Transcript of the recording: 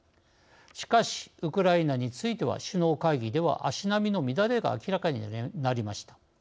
しかしウクライナについては首脳会議では足並みの乱れが明らかになりました。